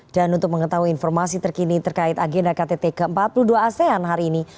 dan untuk mengetahui informasi terkini terkait agenda ktt ke empat puluh dua asean hari ini